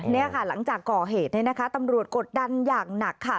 นี่ค่ะหลังจากก่อเหตุเนี่ยนะคะตำรวจกดดันอย่างหนักค่ะ